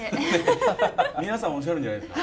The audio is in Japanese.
皆さんおっしゃるんじゃないですか？